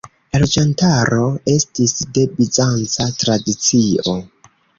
La loĝantaro estis de bizanca tradicio.